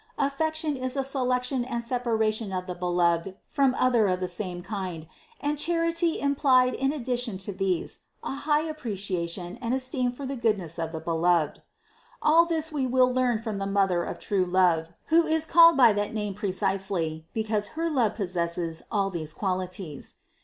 Affection is a selection and separation of 406 CITY OF GOD the beloved from other of the same kind, and charity implied in addition to these, a high appreciation and es teem for the goodness of the beloved. All this we will learn from the Mother of true love, who is called by that name precisely because her love possesses all these quali ties.